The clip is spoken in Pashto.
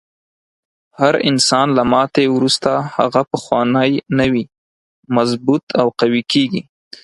هر انسان له ماتې وروسته هغه پخوانی نه وي، مضبوط او قوي کیږي.